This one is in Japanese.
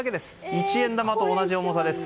一円玉と同じ重さです。